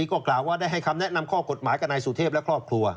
ก็กล่าวว่าได้ให้คำแนะนำข้อกฎหมายกับนายสุเทพและครอบครัว